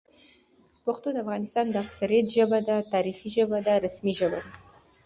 پښتو د افغانستان د اکثریت ژبه ده، تاریخي ژبه ده، رسمي ژبه ده